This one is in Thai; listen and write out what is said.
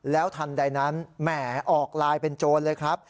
แล้วทันใดนั้นแหมออกลายเป็นโจรเลยครับ